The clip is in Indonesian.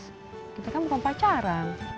tidak tidak kita kan bukan pacaran